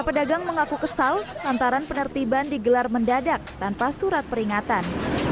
pedagang mengaku kesal antara penertiban digelar mendadak tanpa surat peringatan